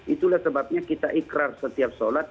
itulah sebabnya kita ikrar setiap sholat